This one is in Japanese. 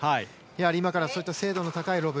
今からそういった精度の高いロブ